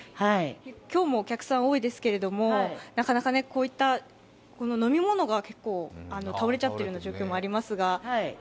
今日もお客さん多いですけどなかなかこういった、飲み物が結構倒れちゃっているような状況もありますが。